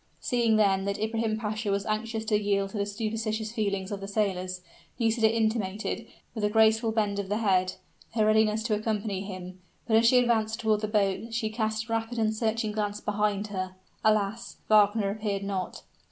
Seeing, then, that Ibrahim Pasha was anxious to yield to the superstitious feelings of the sailors, Nisida intimated, with a graceful bend of the head, her readiness to accompany him. But, as she advanced toward the boat, she cast a rapid and searching glance behind her. Alas! Wagner appeared not.